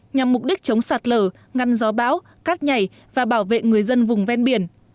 nhằm mục đích chống sạt lở ngăn gió báo cắt nhảy và bảo vệ người dân vùng ven biển